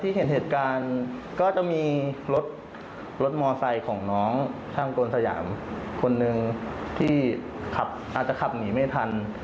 เห็นเหตุการณ์ก็จะมีรถรถมอไซค์ของน้องทางกลสยามคนหนึ่งที่ขับอาจจะขับหนีไม่ทัน